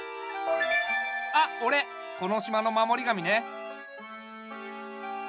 あっおれこの島の守り神ね。